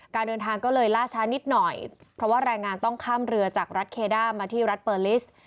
การเดินทางก็เลยล่าช้านิดหน่อยเพราะว่าแรงงานต้องข้ามเรือจากรัฐเคด้ามาที่รัฐเปอร์ลิส